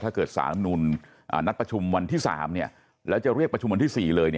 ถ้าเกิดสานักหนุนนัดประชุมวันที่๓แล้วจะเรียกประชุมวันที่๔เลย